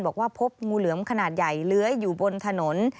บอกว่าพบงูเหลือมขนาดใหญ่เลื้อยอยู่บนถนน